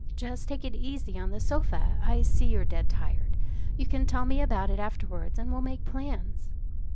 Just take it easy on the sofa. I see you're dead tired. You can tell me about it afterwards, and we'll make plans."